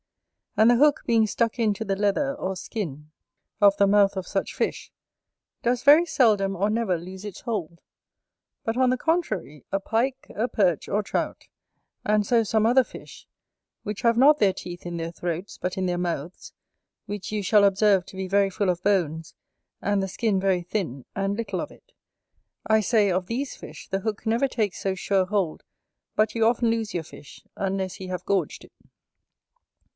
And the hook being stuck into the leather, or skin, of the mouth of such fish, does very seldom or never lose its hold: but on the contrary, a Pike, a Perch, or Trout, and so some other fish, which have not their teeth in their throats, but in their mouths, which you shall observe to be very full of bones, and the skin very thin, and little of it. I say, of these fish the hook never takes so sure hold but you often lose your fish, unless he have gorged it.